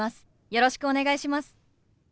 よろしくお願いします。